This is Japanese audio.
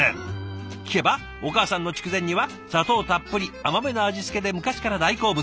聞けばお母さんの筑前煮は砂糖たっぷり甘めの味付けで昔から大好物。